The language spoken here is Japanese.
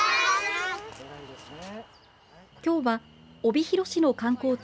きょうは帯広市の観光地